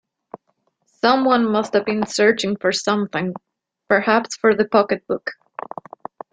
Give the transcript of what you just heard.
Someone must have been searching for something — perhaps for the pocket-book.